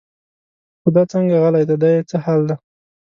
خو دا څنګه غلی دی دا یې څه حال دی.